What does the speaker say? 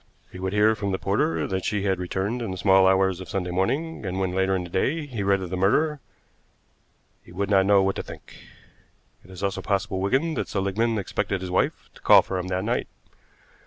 He would hear from the porter that she had returned in the small hours of Sunday morning, and when, later in the day, he read of the murder he would not know what to think. It is also possible, Wigan, that Seligmann expected his wife to call for him that night.